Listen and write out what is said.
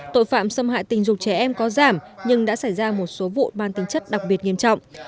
tội phạm xâm hại tình dục trẻ em có giảm nhưng đã xảy ra một số vụ mang tính chất đặc biệt nghiêm trọng